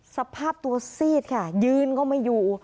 สภาพตัวซีดค่ะยืนก็ไม่อยู่